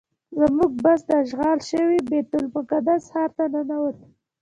زموږ بس د اشغال شوي بیت المقدس ښار ته ننوت.